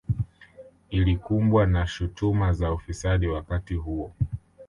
Ilikumbwa na shutuma za ufisadi wakati huo